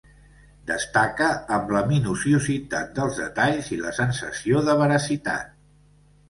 Destaca amb la minuciositat dels detalls i la sensació de veracitat.